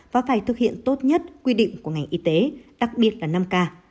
và phải thực hiện tốt nhất quy định của ngành y tế đặc biệt là năm k